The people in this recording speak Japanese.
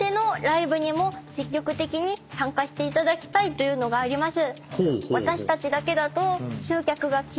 というのがあります。